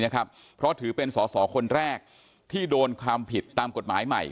เพราะถือเป็นสอสอคนแรกที่โดนความผิดตามกฎหมายใหม่